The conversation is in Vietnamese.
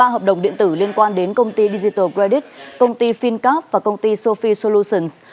hợp đồng điện tử liên quan đến công ty digital credit công ty fincap và công ty sophie solutions